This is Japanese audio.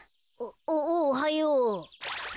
おおはよう。